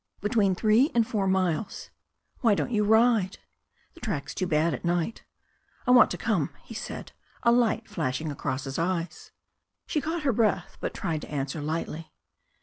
'Between three and four miles." Why don't you ride ?" 'The track's too bad at night." "I want to come," he said, a light Hashing across his eyes. She caught her breath, but tried to answer lightly.